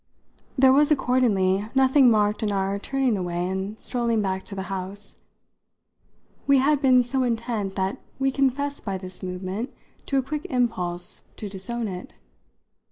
There was accordingly nothing marked in our turning away and strolling back to the house. We had been so intent that we confessed by this movement to a quick impulse to disown it.